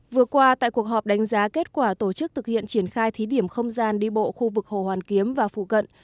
vừa qua tại cuộc họp đánh giá kết quả tổ chức thực hiện triển khai thí điểm không gian đi bộ khu vực hồ hoàn kiếm và phụ cận